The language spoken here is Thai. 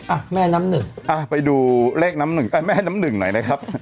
อ่ะแม่น้ำหนึ่งอ่ะไปดูเลขน้ำหนึ่งแม่น้ำหนึ่งหน่อยนะครับ